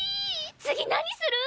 次何する？